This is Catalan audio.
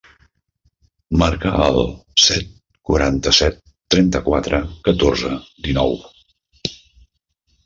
Marca el set, quaranta-set, trenta-quatre, catorze, dinou.